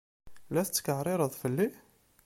La tetkeɛrireḍ fell-i?